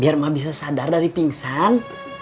biar mah bisa sadar dari pingsan